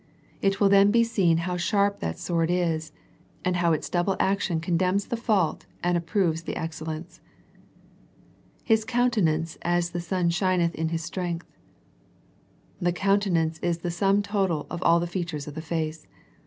It will then be seen how sharp that sword is, and how its double action condemns the fault and approves the excel lence. "' His countenance as the sun shineth in his strength/^ The countenance is the sum total of all the features of the face.